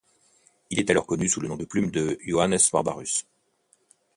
Il est alors connu sous le nom de plume de Johannes Barbarus.